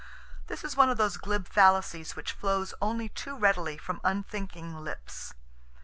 This is one of those glib fallacies which flows only too readily from unthinking lips.